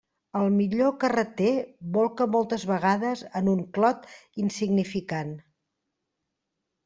El millor carreter bolca moltes vegades en un clot insignificant.